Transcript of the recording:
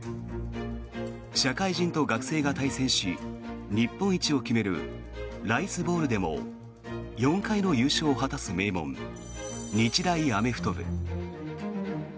社会人と学生が対戦し日本一を決めるライスボウルでも４回の優勝を果たす名門日大アメフト部。